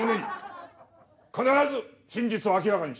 必ず真実を明らかにし。